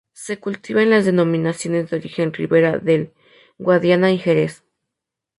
Se cultiva en las denominaciones de origen Ribera del Guadiana y Jerez.